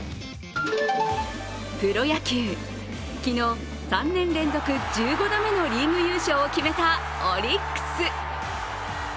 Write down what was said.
プロ野球、昨日、３年連続１５度目のリーグ優勝を決めたオリックス。